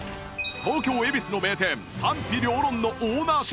東京恵比寿の名店賛否両論のオーナーシェフ